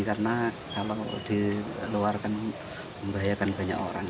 karena kalau diluarkan membahayakan banyak orang